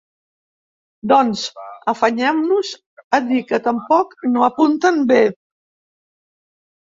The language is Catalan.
Doncs, afanyem-nos a dir que tampoc no apunten bé.